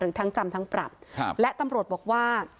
ทั้งจำทั้งปรับครับและตำรวจบอกว่า